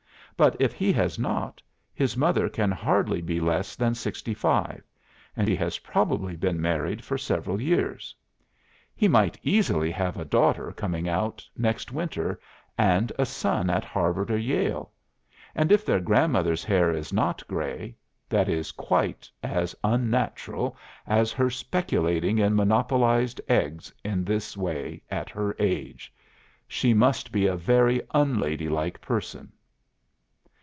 But if he has not, his mother can hardly be less than sixty five, and he has probably been married for several years. He might easily have a daughter coming out, next winter, and a son at Harvard or Yale; and if their grandmother's hair is not grey, that is quite as unnatural as her speculating in monopolised eggs in this way at her age. She must be a very unladylike person.